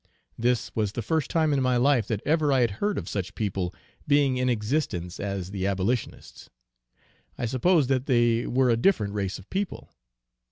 This was the first time in my life that ever I had heard of such people being in existence as the Abolitionists. I supposed that they were a different race of people.